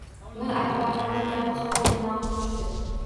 Mir Akbarxonning gapi hammaga ma’qul tushdi.